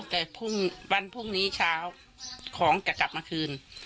แต่พรุ่งวันพรุ่งนี้เช้าของจะกลับมาคืน